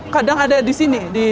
kadang ada di sini